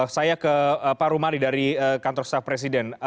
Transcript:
saya ke pak rumali dari kantor staf presiden